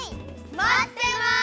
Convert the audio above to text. まってます！